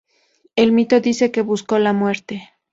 El mito dice que buscó la muerte.